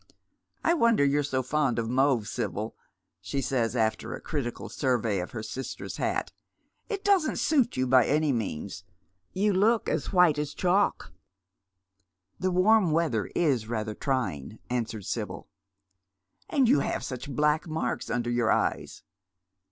_" I wonder you are so fond of mauve, Sibyl," she says, after a crifical survey of her sister's hat. " It doesn't suit you by any means. You look as white as chalk." " The warm weather is rather trying," answers Sibyl. " And you have such black marks under your eyes."